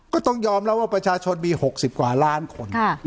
ก็ต้องยอมรับว่าประชาชนมี๖๐กว่าล้านคน